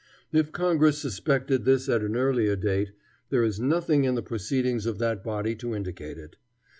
If Congress suspected this at any earlier date, there is nothing in the proceedings of that body to indicate it.